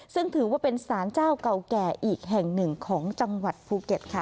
ซึ่งถือว่าเป็นสารเจ้าเก่าแก่อีกแห่งหนึ่งของจังหวัดภูเก็ตค่ะ